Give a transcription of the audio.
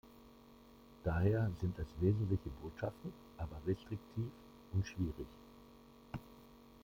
Daher sind es wesentliche Botschaften, aber restriktiv und schwierig.